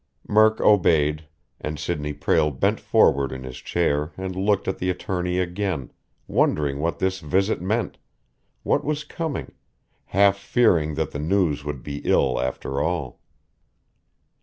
Murk obeyed, and Sidney Prale bent forward in his chair and looked at the attorney again, wondering what this visit meant, what was coming, half fearing that the news would be ill after all.